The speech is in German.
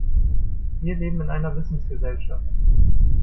Wir leben in einer Wissensgesellschaft.